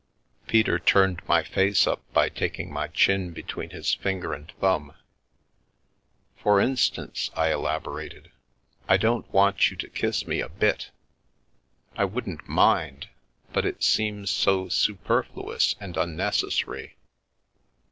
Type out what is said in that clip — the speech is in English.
Peter turned my face up by taking my chin between his finger and thumb. " For instance," I elaborated, " I don't want you to kiss me a bit. I wouldn't mind, but it seems so super fluous and unnecessary."